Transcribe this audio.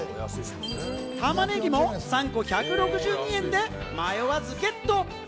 玉ねぎも３個１６２円で、迷わずゲット！